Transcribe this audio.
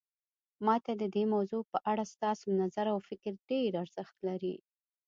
ما ته د دې موضوع په اړه ستاسو نظر او فکر ډیر ارزښت لري